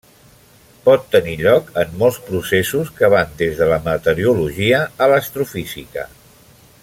Pot tenir lloc en molts processos que van des de la meteorologia a l'astrofísica.